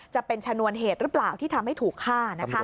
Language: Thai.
จะเป็นชนวนเหตุหรือเปล่าที่ทำให้ถูกฆ่า